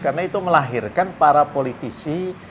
karena itu melahirkan para politisi